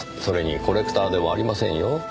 それにコレクターでもありませんよ。